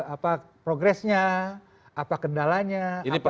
apa progresnya apa kendalanya apa yang lain